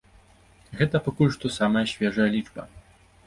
Гэта пакуль што самая свежая лічба.